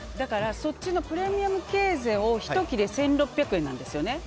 そっちのプレミアム・ケーゼを１切れ１６００円ですよね。